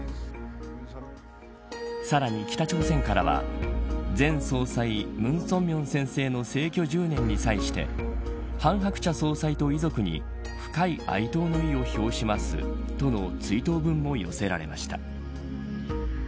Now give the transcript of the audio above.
さらに、北朝鮮からは前総裁、文鮮明先生の逝去１０年に際して韓鶴子総裁と遺族に深い哀悼の意を表しますとの追悼文も寄せられました。